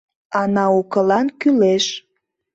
А наукылан кӱлеш.